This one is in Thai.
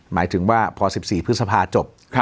หมายถึงว่าพอ๑๔พฤษภาจบ